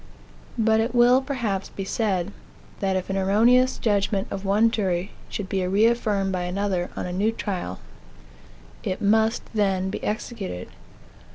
But it will, perhaps, be said, that if an erroneous judgment of one jury should be reaffirmed by another, on a new trial, it must then be executed.